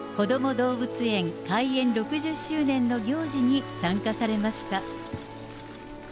動物園開園６０周年の行事に参加されました。